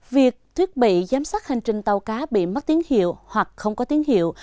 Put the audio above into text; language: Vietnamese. việc thiết bị giám sát hành trình tàu cá bị mất tiếng hiệu hoặc không có tiếng hiệu